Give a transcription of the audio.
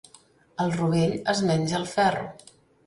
El rovell es menja el ferro.